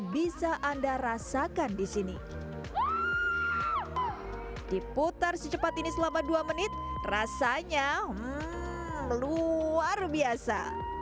bisa anda rasakan disini diputar secepat ini selama dua menit rasanya meluar biasa